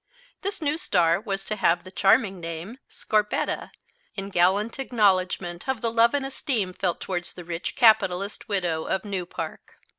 This new star was to have the charming name "Scorbetta," in gallant acknowledgment of the love and esteem felt towards the rich capitalist widow of New Park.